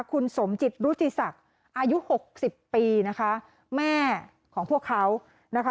คุณสมจิตรุจิศักดิ์อายุหกสิบปีนะคะแม่ของพวกเขานะคะ